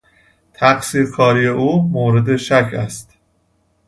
تقصیرکاری او مورد شک است.